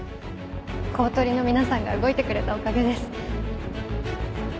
公取の皆さんが動いてくれたおかげです